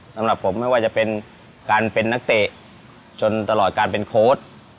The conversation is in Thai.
สำหรับผมไม่ว่าจะเป็นการเป็นนักเตะจนตลอดการเป็นโค้ด